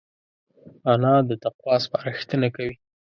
انا د تقوی سپارښتنه کوي